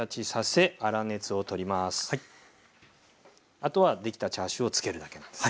あとはできたチャーシューをつけるだけなんです。